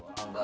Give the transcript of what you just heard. gak anggu aja